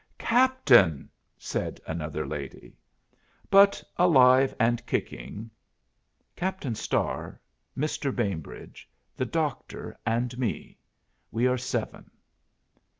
"Captain!" said another lady. "But alive and kicking. Captain Starr, Mr. Bainbridge, the Doctor and me. We are seven."